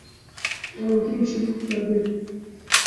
اورہوٹنگ شروع کردیں۔